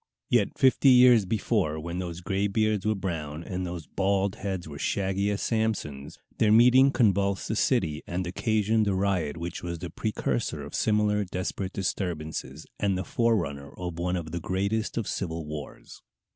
Yet fifty years before, when those gray beards were brown, and those bald heads were shaggy as Samson's, their meeting convulsed the city, and occasioned a riot which was the precursor of similar desperate disturbances, and the forerunner of one of the greatest of civil wars.